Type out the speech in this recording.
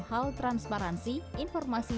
hal transparansi informasi